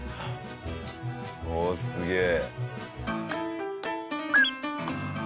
おおすげえ。